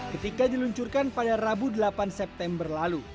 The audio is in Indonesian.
ketika diluncurkan pada rabu delapan september lalu